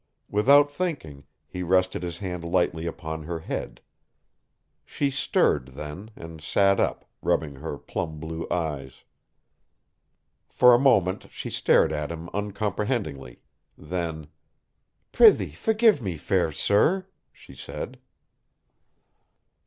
Without thinking, he rested his hand lightly upon her head. She stirred then, and sat up, rubbing her plum blue eyes. For a moment she stared at him uncomprehendingly, then, "Prithee forgive me, fair sir," she said.